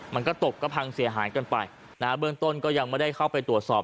มันก็ตบก็พังเสียหายกันไปนะฮะเบื้องต้นก็ยังไม่ได้เข้าไปตรวจสอบ